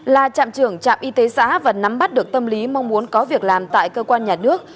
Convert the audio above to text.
là trạm trưởng trạm y tế xã và nắm bắt được tâm lý mong muốn có việc làm tại cơ quan nhà nước